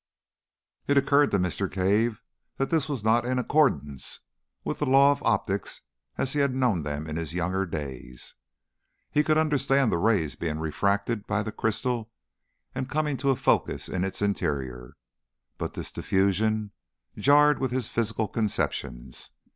It occurred to Mr. Cave that this was not in accordance with the laws of optics as he had known them in his younger days. He could understand the rays being refracted by the crystal and coming to a focus in its interior, but this diffusion jarred with his physical conceptions.